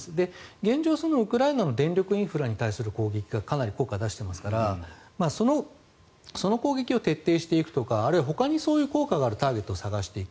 現状、ウクライナの電力インフラに対する攻撃がかなり効果を出していますからその攻撃を徹底していくとかあるいはほかにそういった効果があるターゲットを探していく。